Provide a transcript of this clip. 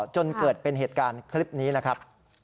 จนเกิดเป็นเหตุการณ์คลิปนี้นะครับ